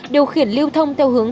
điều khiển lưu thông theo hướng